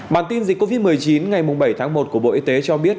bản tin dịch covid một mươi chín ngày bảy tháng một của bộ y tế cho biết